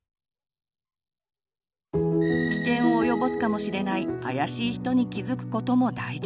危険を及ぼすかもしれない「あやしい人」に気付くことも大事。